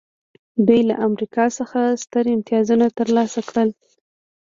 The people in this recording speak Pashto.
دوی له امریکا څخه ستر امتیازونه ترلاسه کړل